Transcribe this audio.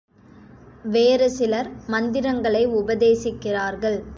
வேறு சிலர் மந்திரங்களை உபதேசிக்கிறார்கள்.